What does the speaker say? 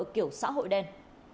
kiểu xã hội đen